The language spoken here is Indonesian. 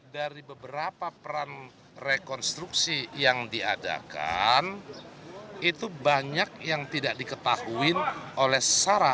dari beberapa peran rekonstruksi yang diadakan itu banyak yang tidak diketahui oleh sarah